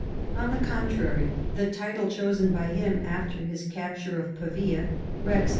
On the contrary, the title chosen by him after his capture of Pavia, " Kex Lan RESULTS.